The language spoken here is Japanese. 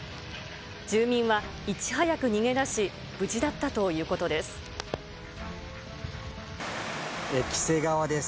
住民はいち早く逃げ出し、無事だったということです。